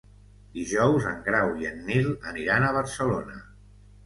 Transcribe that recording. Dijous en Grau i en Nil aniran a Barcelona.